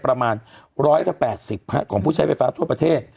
ประมาณ๑๘๐ของผู้ใช้ไฟฟ้าทั่วประเทศ